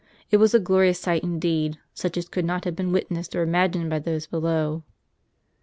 It was a glorious sight, indeed ; such as could not have been witnessed or imagined by those below."